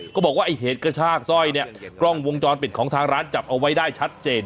บอกว่าไอ้เหตุกระชากสร้อยเนี่ยกล้องวงจรปิดของทางร้านจับเอาไว้ได้ชัดเจน